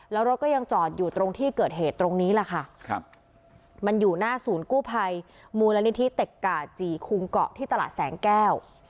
แล้วรถก็ยังจอดอยู่ตรงที่เกิดเหตุตรงนี้แหละค่ะมันอยู่หน้าศูนย์กู้ภัยมูลนิธิเต็กกาจี่คุงเกาะที่ตลาดแสงแก้ว